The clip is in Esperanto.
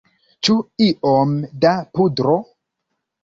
Ĉu iom da pudro?